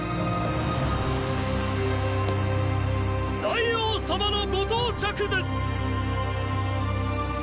大王様のご到着です！